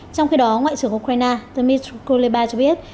trong khi đó ngoại trưởng ukraine dmitry kuleba cho biết